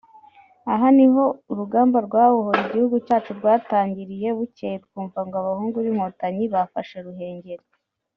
Aha niho urugamba rwabohoye igihugu cyacu rwatangiriye bucyeye twumva ngo abahungu b’Inkotanyi bafashe Ruhenger